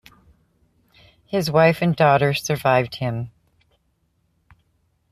His wife and a daughter survived him.